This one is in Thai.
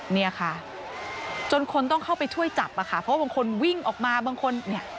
เนี่ยค่ะจนคนต้องเข้าไปช่วยจับอะค่ะเพราะว่าบางคนวิ่งออกมาบางคนเนี่ย